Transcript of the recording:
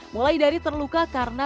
mulai dari terluka karena